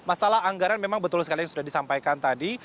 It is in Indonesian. masalah anggaran memang betul sekali yang sudah disampaikan tadi